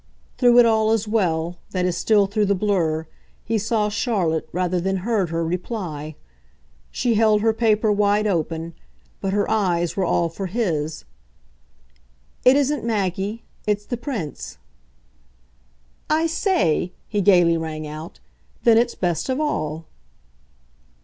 Through it all as well, that is still through the blur, he saw Charlotte, rather than heard her, reply. She held her paper wide open, but her eyes were all for his. "It isn't Maggie. It's the Prince." "I SAY!" he gaily rang out. "Then it's best of all."